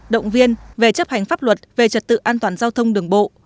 động viên về chấp hành pháp luật về trật tự an toàn giao thông đường bộ